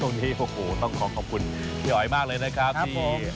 ส่วนช่วงนี้ต้องขอขอบคุณพี่อ๋อยมากเลยนะครับที่